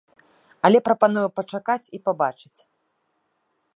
Але прапануе пачакаць і пабачыць.